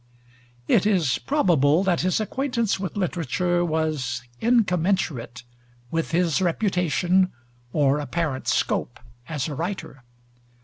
It is probable that his acquaintance with literature was incommensurate with his reputation or apparent scope as a writer.